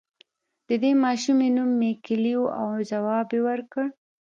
د دې ماشومې نوم ميکلي و او ځواب يې ورکړ.